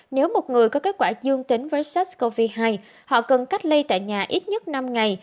nếu một người có kết quả dương tính với sars cov hai họ cần cách ly tại nhà ít nhất năm ngày